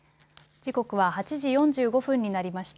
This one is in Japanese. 時刻は８時４５分になりました。